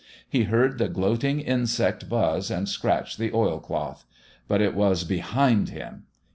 He heard the gloating insect buzz and scratch the oil cloth. But it was behind him.